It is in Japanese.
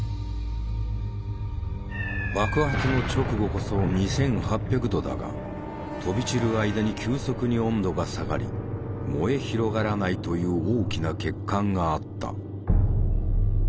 爆発の直後こそ２，８００度だが飛び散る間に急速に温度が下がり燃え広がらないという大きな欠陥があった。